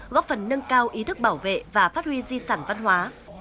góp phần nâng cao ý thức bảo vệ và phát huy di sản văn hóa